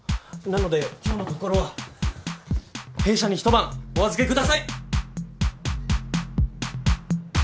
なので今日のところは弊社に１晩お預けください！